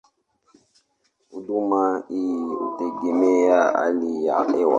Huduma hii hutegemea hali ya hewa.